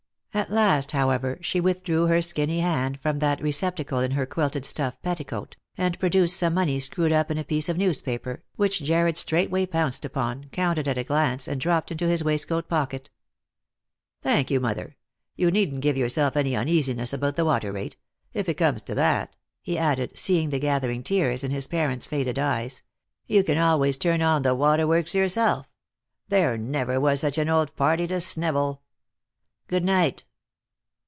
At last, however, she withdrew her skinny hand from that receptacle in her quilted stuff petticoat, and produced some money screwed up in a piece of newspaper, which Jarred straightway pounced upon, counted at a glance, and dropped into his waistcoat pocket. " Thank you, mother. You needn't give yourself any un easiness about the water rate. If it comes to that," he added, seeing the gathering tears in his parent's faded eyes, " you can always turn on the waterworks yourself. There never was such an old party to snivel. Good night."